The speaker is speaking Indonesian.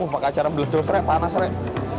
pak kacar belus belus rek panas rek